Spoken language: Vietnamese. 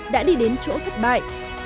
đã đi đến chỗ thất bại